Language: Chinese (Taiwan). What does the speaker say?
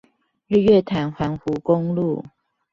日月潭環湖公路